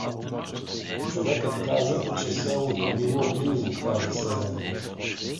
— Човекът каза, че селото било близо — каза селянинът.